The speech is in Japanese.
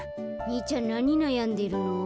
にいちゃんなになやんでるの？